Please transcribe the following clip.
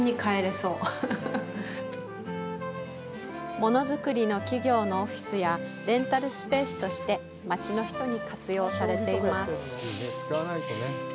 ものづくりの企業のオフィスやレンタルスペースとして町の人に活用されています。